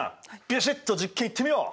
ビシッと実験いってみよう！